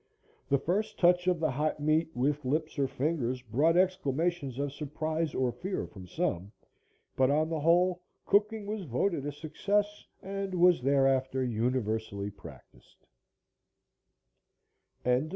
The first touch of the hot meat with lips or fingers brought exclamations of surprise or fear from some, but, on the whole, cooking was voted a success and was thereafter universally practiced.